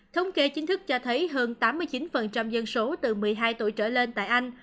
thống kê chính thức cho thấy hơn tám mươi chín dân số từ một mươi hai tuổi trở lên tại anh